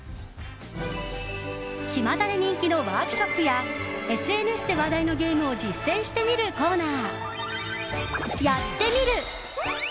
ちまたで人気のワークショップやＳＮＳで話題のゲームを実践してみるコーナー